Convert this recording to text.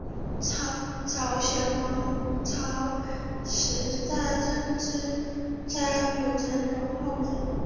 朝鲜王朝时代政治家柳成龙后人。